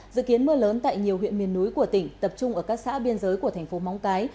dự kiến mưa lớn tại nhiều huyện miền núi của tỉnh tập trung ở các xã biên giới của thành phố móng cái